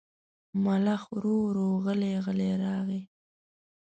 ملخ ورو ورو غلی غلی راغی.